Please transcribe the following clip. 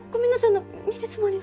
あの見るつもり。